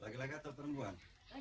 laki laki atau perempuan